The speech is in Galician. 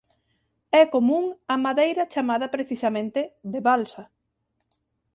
É común a madeira chamada precisamente de balsa.